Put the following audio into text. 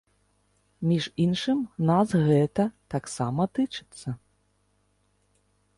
Між іншым, нас гэта таксама тычыцца.